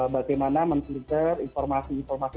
bagaimana memfilter informasi informasi